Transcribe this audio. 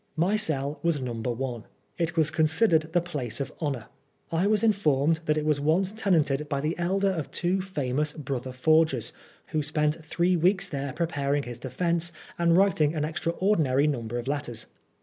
My cell was Number One. It was considered the place of honor. I was informed that it was once tenanted by the elder of two famous brother forgers, who spent three weeks there preparing his defence and writing an extraordinary number of letters.